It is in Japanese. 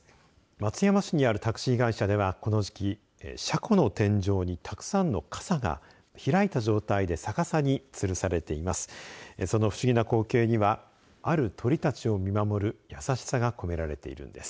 松山市にあるタクシー会社ではこの時期車庫の天井にたくさんの傘が開いた状態で逆さにつるされています。